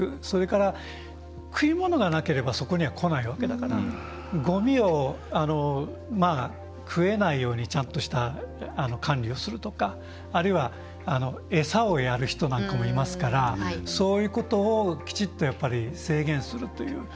それから、食い物がなければそこには来ないわけだからごみを食えないようにちゃんとした管理をするとかあるいは、餌をやる人なんかもいますからそういうことをきちっと制限するという。